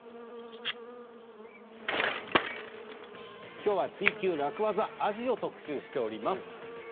今日は「ツイＱ楽ワザ」アジを特集しております。